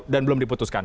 dan belum diputuskan